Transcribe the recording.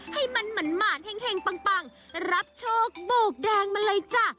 ให้มันหมานแห่งปังรับโชคโบกแดงมาเลยจ้ะ